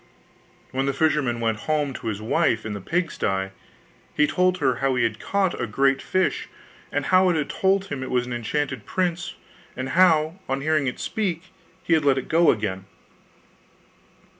When the fisherman went home to his wife in the pigsty, he told her how he had caught a great fish, and how it had told him it was an enchanted prince, and how, on hearing it speak, he had let it go again.